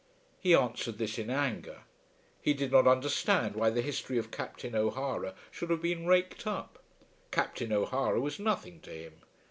He answered this in anger. He did not understand why the history of Captain O'Hara should have been raked up. Captain O'Hara was nothing to him.